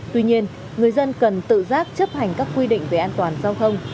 tuy nhiên người dân cần tự giác chấp hành các quy định về an toàn giao thông